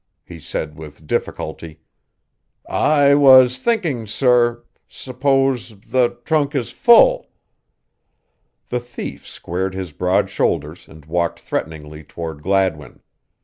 He said with difficulty: "I was thinking, sorr suppose the trunk is full?" The thief squared his broad shoulders and walked threateningly toward Gladwin.